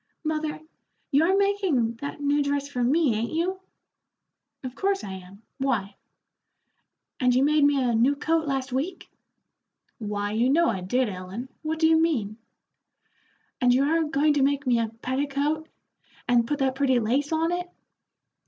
"Mother, you are making that new dress for me, ain't you?" "Of course I am; why?" "And you made me a new coat last week?" "Why, you know I did, Ellen; what do you mean?" "And you are going to make me a petticoat and put that pretty lace on it?"